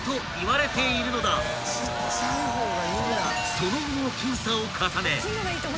［その後も検査を重ね］